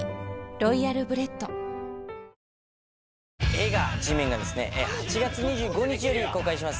映画『Ｇメン』が８月２５日より公開します。